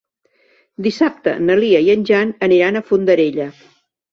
Dissabte na Lia i en Jan aniran a Fondarella.